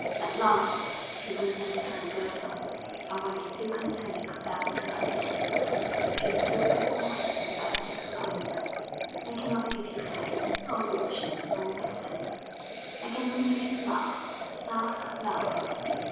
At last she loosened her girdle, and when the silken tunic fell to her feet she stood before him in perfect loveliness. 'I cannot give you fame, or riches, or wisdom; I can only give you Love, Love, Love....